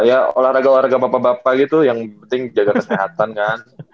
ya olahraga olahraga bapak bapak gitu yang penting jaga kesehatan kan